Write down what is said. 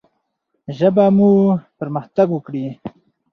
ژبه مو پرمختګ وکړي.